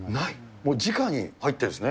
もうじかに入ってるんですね。